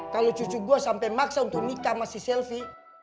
kalo cucu gue sampai maksa untuk nikah sama si selvi